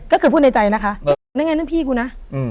ก็คือพูดในใจนะคะนั่นไงนั่นพี่กูนะ